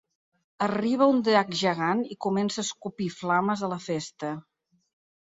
Arriba un drac gegant i comença a escopir flames a la festa.